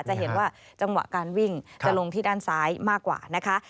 จะเห็นว่าจังหวะการวิ่งจะลงที่ด้านซ้ายมากกว่านะคะ